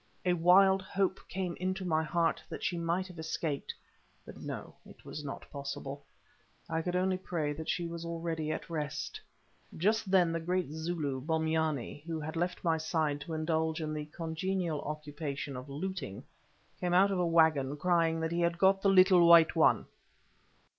A wild hope came into my heart that she might have escaped; but no, it was not possible. I could only pray that she was already at rest. Just then the great Zulu, Bombyane, who had left my side to indulge in the congenial occupation of looting, came out of a waggon crying that he had got the "little white one."